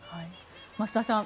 増田さん